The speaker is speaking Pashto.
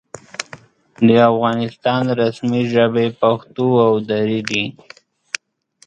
د افغانستان رسمي ژبې پښتو او دري دي.